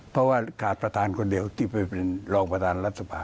เพราะว่าขาดประธานคนเดียวที่ไปเป็นรองประธานรัฐสภา